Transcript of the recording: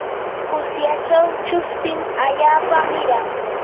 usyachaw chuspin allaapa miran.